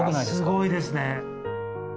すごいですね。